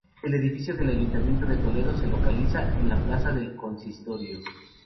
El edificio del Ayuntamiento de Toledo se localiza en la Plaza del Consistorio.